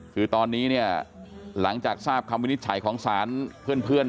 คือตอนนี้เนี่ยหลังจากทราบคำวินิจฉัยของสารเพื่อน